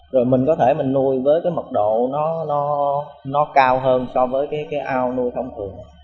rồi mình có thể mình nuôi với cái mật độ nó cao hơn so với cái ao nuôi thông thường